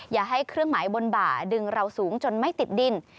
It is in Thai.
อย่าให้เครื่องหมายบนบ่าดึงเราสูงจนไม่ติดดิน